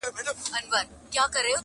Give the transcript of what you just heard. o درياب که لوى دئ، چمچۍ دي خپله ده٫